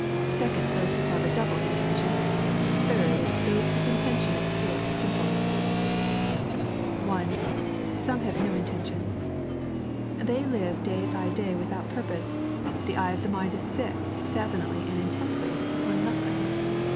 Second, those who have a double intention. Third, those whose intention is pure and simple. 3.n.iized by Google A Supreme PtJBPOSE. 149 (1) Some ham no intentwa. They live day by day without purpose; the eye of the mind ie fixed definitely and intently upon nothing.